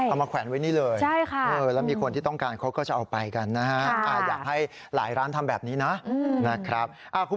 มาแขวนไว้นี่เลยแล้วมีคนที่ต้องการเขาก็จะเอาไปกันนะฮะอยากให้หลายร้านทำแบบนี้นะนะครับ